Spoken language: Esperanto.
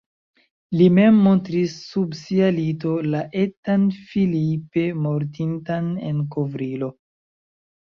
Li mem montris sub sia lito la etan Philippe mortintan en kovrilo.